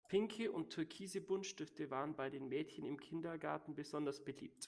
Pinke und türkise Buntstifte waren bei den Mädchen im Kindergarten besonders beliebt.